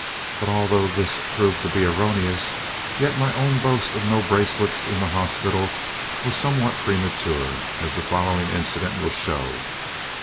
But, although this proved to be erroneous, yet my own boast of no bracelets in the hospital was somewhat premature, as the following incident will show.